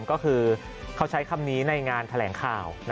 ก็คือเขาใช้คำนี้ในงานแถลงข่าว